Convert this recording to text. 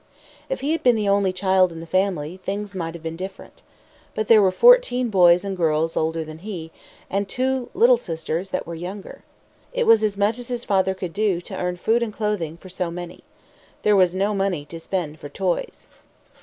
If he had been the only child in the family, things might have been different. But there were fourteen boys and girls older than he, and two little sisters that were younger. It was as much as his father could do to earn food and clothing for so many. There was no money to spend for toys.